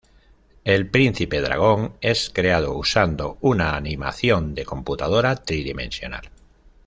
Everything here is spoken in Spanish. El Príncipe Dragón es creado usando una animación de computadora tridimensional.